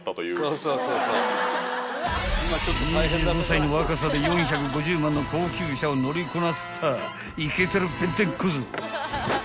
［２５歳の若さで４５０万の高級車を乗りこなすったぁイケてる弁天小僧］